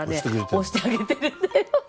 押してあげてるんだよ。